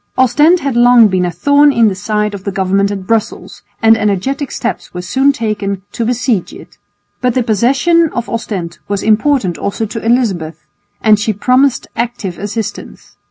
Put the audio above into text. Ostend had long been a thorn in the side of the government at Brussels and energetic steps were soon taken to besiege it. But the possession of Ostend was important also to Elizabeth, and she promised active assistance.